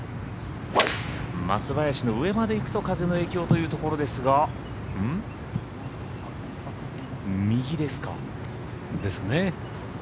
松林の上まで行くと風の影響というところですがですね。